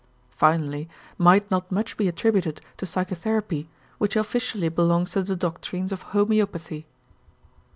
Finally, might not much be attributed to psychotherapy, which offically belongs to the doctrines of homeopathy?